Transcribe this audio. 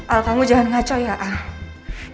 al kamu jangan ngaco ya ah